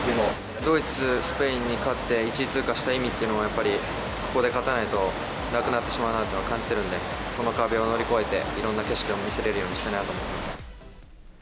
ドイツ、スペインに勝って１位通過した意味っていうのは、やっぱり、ここで勝たないとなくなってしまうなと感じてしまうので、この壁を乗り越えて、いろんな景色を見せれるようにしたいなと思います。